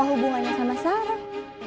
hubungannya sama sarah